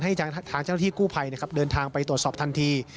ให้ทางเจ้าหน้าที่กู้ภัยนะครับเดินทางไปตรวจสอบทันที